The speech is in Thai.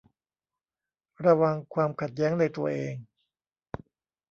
ระวังความขัดแย้งในตัวเอง